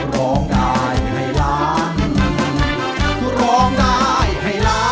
ร้องได้ครับ